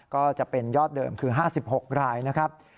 ก็จะเป็นยอดเดิมคือ๕๖รายนะครับ